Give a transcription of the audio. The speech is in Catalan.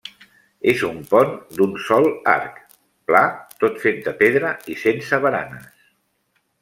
És un pont d'un sol arc, pla, tot fet de pedra i sense baranes.